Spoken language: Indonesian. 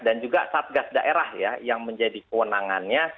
dan juga satgas daerah ya yang menjadi kewenangannya